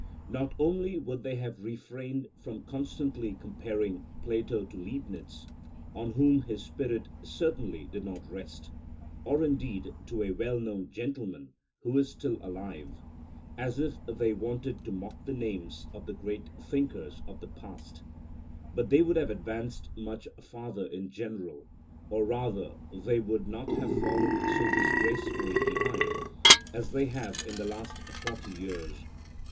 Not only would they have refrained from constantly comparing Plato to Leibnitz, on whom his spirit certainly did not rest, or indeed to a well known gentleman who is still alive,(44) as if they wanted to mock the manes of the great thinker of the past; but they would have advanced much farther in general, or rather they would not have fallen so disgracefully far behind as they have in the last forty years.